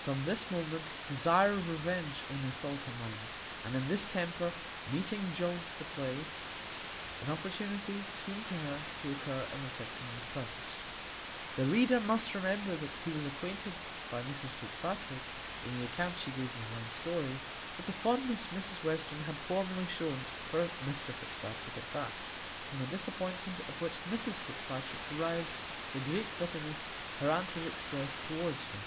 From this moment desire of revenge only filled her mind; and in this temper meeting Jones at the play, an opportunity seemed to her to occur of effecting this purpose. The reader must remember that he was acquainted by Mrs Fitzpatrick, in the account she gave of her own story, with the fondness Mrs Western had formerly shewn for Mr Fitzpatrick at Bath, from the disappointment of which Mrs Fitzpatrick derived the great bitterness her aunt had expressed toward her.